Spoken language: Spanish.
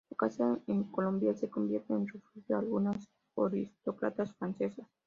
Su casa en Colombier se convierte en refugio algunos aristócratas franceses.